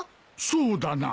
そうだな。